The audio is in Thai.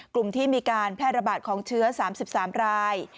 กลุ่มที่มีการแพร่ระบาดของเชื้อ๓๓ราย